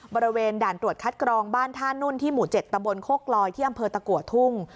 บริเวณด่านตรวจคัดกรองบ้านท่านุ่นที่หมู่๗ตำบลโคกลอยที่อำเภอตะกัวทุ่ง